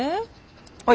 はい。